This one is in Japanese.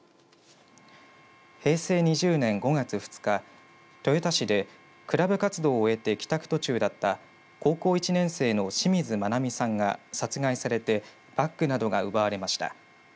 平成２０年５月２日豊田市でクラブ活動を終えて帰宅途中だった高校１年生の清水愛美さんが殺害されてバッグなどが奪われました。